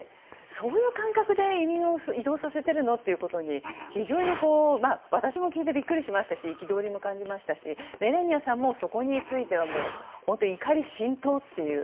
そういう感覚で移民を移動させてるということに非常に私も聞いてビックリしましたし憤りも感じましたしメラニアさんもそこについては本当に怒り心頭という。